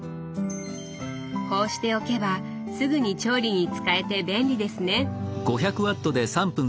こうしておけばすぐに調理に使えて便利ですね。